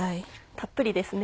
たっぷりですね。